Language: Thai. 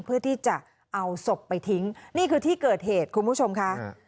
เพื่อที่จะเอาศพไปทิ้งนี่คือที่เกิดเหตุคุณผู้ชมค่ะ